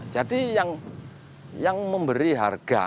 jadi yang memberi harga